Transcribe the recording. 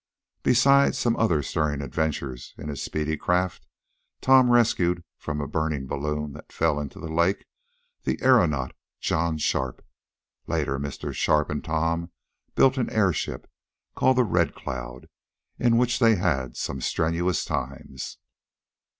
Besides some other stirring adventures in his speedy craft Tom rescued, from a burning balloon that fell into the lake, the aeronaut, John Sharp. Later Mr. Sharp and Tom built an airship, called the RED CLOUD, in which they had some strenuous times.